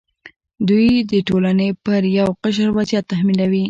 دوی د ټولنې پر یو قشر وضعیت تحمیلوي.